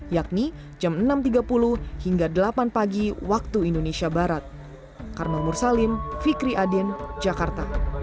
yakni jam enam tiga puluh hingga delapan pagi waktu indonesia barat